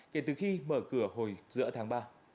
kể từ khi mở cửa hồi giữa tháng ba